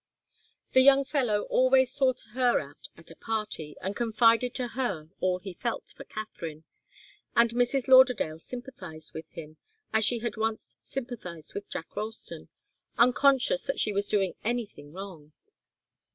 The young fellow always sought her out at a party, and confided to her all he felt for Katharine, and Mrs. Lauderdale sympathized with him, as she had once sympathized with Jack Ralston, unconscious that she was doing anything wrong.